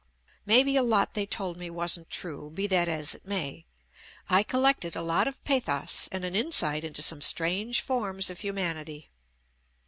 Maybe a lot they told me wasn't true, be JUST ME that as it may — I collected a lot of pathos and an insight into some strange forms of human ity.